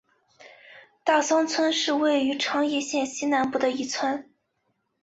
大桑村是位于长野县西南部的一村。